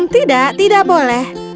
tidak tidak boleh